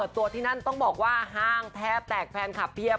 ตัวที่นั่นต้องบอกว่าห้างแทบแตกแฟนคลับเพียบ